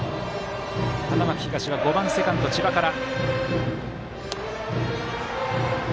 花巻東は５番、セカンド、千葉から。